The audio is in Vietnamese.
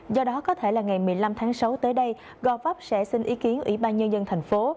do đó có thể là ngày một mươi năm tháng sáu tới đây gò vấp sẽ xin ý kiến ủy ban nhân dân tp hcm